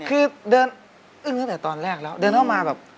คือเดินอึ้งตั้งแต่ตอนแรกแล้วเดินเข้ามาแบบ